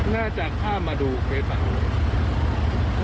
น่าจะข้ามมาดูเกษตรฝั่งโน้น